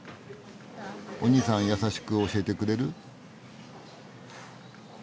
おにいさん優しく教えてくれる？